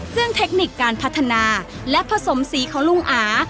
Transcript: ซึ่งเทคนิคการพัฒนาและผสมสีของลุงอา